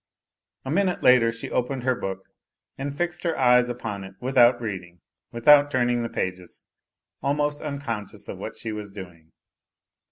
A minute later she opened her book, and fixed her eyes upon it without reading, without turning the pages, almost unconscious of what she was doing.